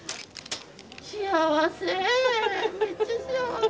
幸せ。